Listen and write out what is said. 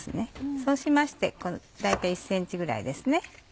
そうしまして大体１ｃｍぐらいですね。